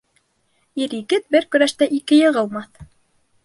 Ир-егет бер көрәштә ике йығылмаҫ.